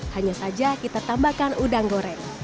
hanya saja kita tambahkan udang goreng